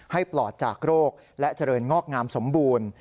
ปลอดจากโรคและเจริญงอกงามสมบูรณ์